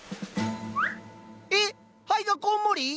えっ灰がこんもり？